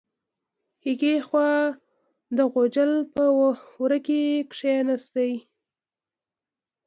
هغې خوا د غوجل په وره کې کیناست.